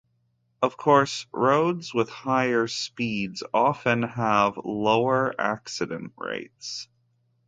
Of course, roads with higher speeds often have lower accident rates.